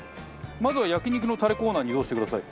まずは焼肉のタレコーナーに移動してください。